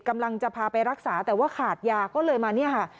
กำลังจะพาไปรักษาแต่ว่าขาดยาก็เลยมาเนี่ยค่ะ